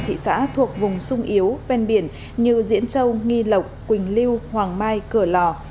thị xã thuộc vùng sung yếu ven biển như diễn châu nghi lộc quỳnh lưu hoàng mai cửa lò